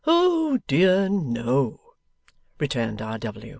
'Oh dear no!' returned R.